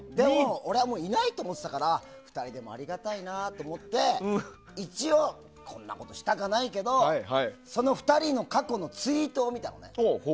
俺はいないと思ってたから２人でもありがたいなと思って一応こんなことはしたくないけどその２人の過去のツイートを見たのね。